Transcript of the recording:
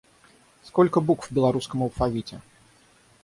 Сколько букв в белорусском алфавите?